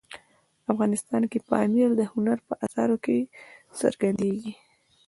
افغانستان کې پامیر د هنر په اثارو کې څرګندېږي.